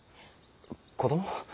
子供？